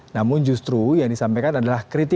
namun justru yang disampaikan adalah kritik